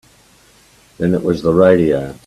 Then it was the radio.